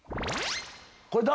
これ誰？